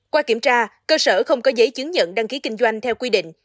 qua kiểm tra cơ sở không có giấy chứng nhận đăng ký kinh doanh theo quy định